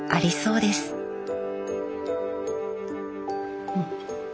うん。